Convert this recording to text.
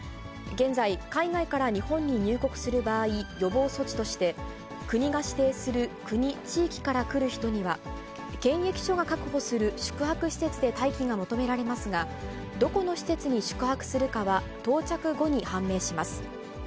現在、海外から日本に入国する場合、予防措置として、国が指定する国、地域から来る人には、検疫所が確保する宿泊施設で待機が求められますが、どこの施設に宿泊するかは到着後に判明します。